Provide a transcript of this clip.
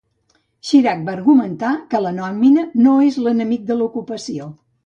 Chirac va argumentar que "la nòmina no és l'enemic de l'ocupació".